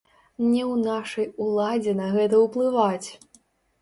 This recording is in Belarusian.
Не ў нашай уладзе на гэта ўплываць!